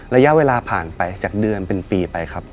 ระยะเวลาผ่านไปจากเดือนเป็นปีไปครับ